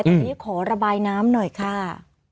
ตอนนี้ขอระบายน้ำหน่อยค่ะ